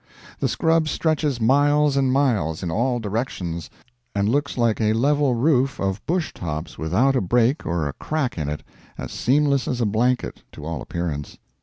The scrub stretches miles and miles in all directions, and looks like a level roof of bush tops without a break or a crack in it as seamless as a blanket, to all appearance.